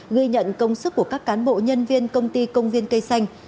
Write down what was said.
ghi nhận công sức của các cán bộ nhân viên công ty công viên cây xanh